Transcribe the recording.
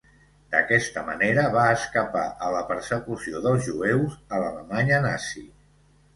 D'aquesta manera va escapar a la persecució dels jueus a l'Alemanya nazi.